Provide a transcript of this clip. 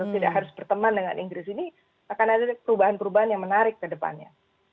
tidak harus berteman dengan inggris ini akan ada perubahan perubahan yang menarik ke depannya